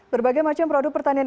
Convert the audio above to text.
berbagai macam produk pertanian